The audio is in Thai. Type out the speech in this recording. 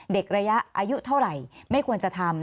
ระยะอายุเท่าไหร่ไม่ควรจะทำ